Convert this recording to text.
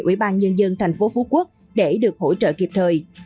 ủy ban nhân dân tp phú quốc để được hỗ trợ kịp thời